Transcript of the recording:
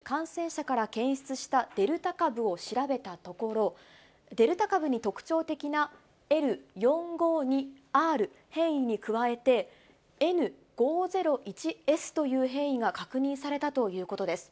東京医科歯科大学の研究チームによりますと、今月中旬に感染者から検出したデルタ株を調べたところ、デルタ株に特徴的なＬ４５２Ｒ変異に加えてＮ５０１Ｓという変異が確認されたということです。